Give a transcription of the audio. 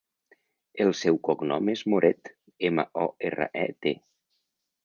El seu cognom és Moret: ema, o, erra, e, te.